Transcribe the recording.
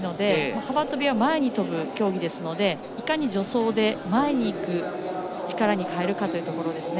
幅跳びは前に跳ぶ競技ですのでいかに助走で前にいく力に変えるかですね。